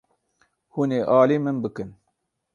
Hûn ê alî min bikin.